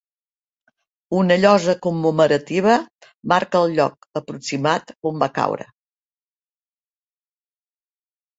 Una llosa commemorativa marca el lloc aproximat on va caure.